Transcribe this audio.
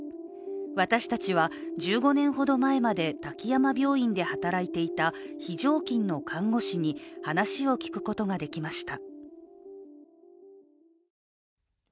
私たちは１５年ほど前まで滝山病院で働いていた非常勤の看護師に話を聞くことができました。